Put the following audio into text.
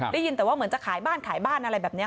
ได้ยินแต่ว่าเหมือนจะขายบ้านขายบ้านอะไรแบบนี้